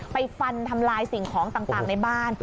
ไปฟันทำลายสิ่งของต่างในบ้าน